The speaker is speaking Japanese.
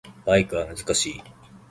バイクは難しい